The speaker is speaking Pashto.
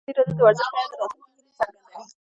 ازادي راډیو د ورزش په اړه د راتلونکي هیلې څرګندې کړې.